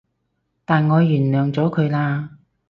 但我原諒咗佢喇